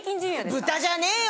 「豚じゃねえよ！」